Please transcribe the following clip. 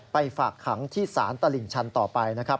ฝากขังที่ศาลตลิ่งชันต่อไปนะครับ